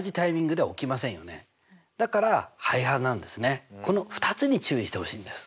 それからこの２つに注意してほしいんです。